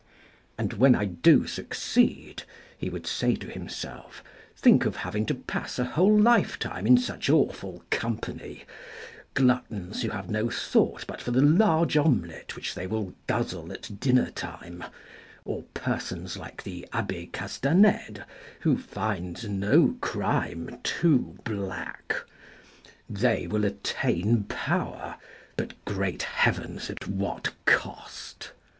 " And when I do succeed," he would say to himself, " think of having to pass a whole lifetime in such awful company, gluttons who have no thought but for the large omelette which they will guzzle at dinner time, or persons like the abbe Castanede, who finds no crime too black ! They will attain power, but, great heavens ! at what cost.